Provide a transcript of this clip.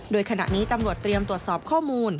โดยขณะนี้ตำรวจเตรียมตรวจสอบข้อมูล